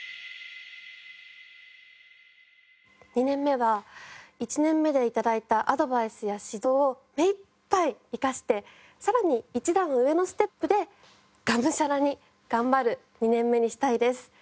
２年目は１年目で頂いたアドバイスや指導を目いっぱい生かしてさらに一段上のステップでがむしゃらに頑張る２年目にしたいです。